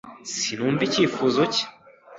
Sinumva icyifuzo cye